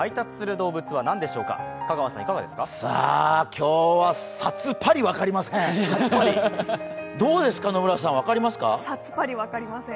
さあ、今日はさつぱり分かりません！